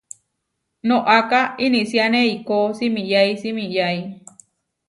Noʼaká inisiáne eikó simiyái simiyái.